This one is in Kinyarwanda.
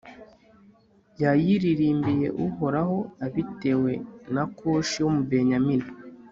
yayiririmbiye uhoraho abitewe na kushi w'umubenyamini